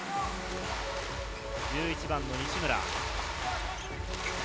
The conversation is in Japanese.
１１番の西村。